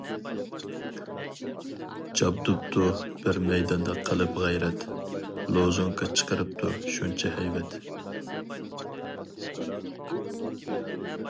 جابدۇپتۇ بىر مەيداننى قىلىپ غەيرەت، لوزۇنكا چىقىرىپتۇ شۇنچە ھەيۋەت.